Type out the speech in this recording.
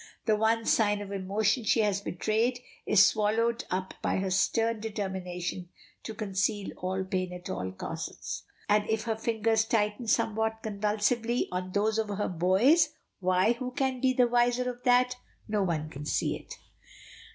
The one sign of emotion she has betrayed is swallowed up by her stern determination to conceal all pain at all costs, and if her fingers tighten somewhat convulsively on those of her boy's, why, who can be the wiser of that? No one can see it.